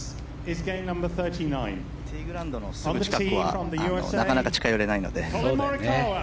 ティーグラウンドのすぐ近くはなかなか近寄れないので。